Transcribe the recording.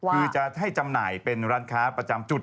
คือจะให้จำหน่ายเป็นร้านค้าประจำจุด